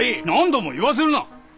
何度も言わせるな！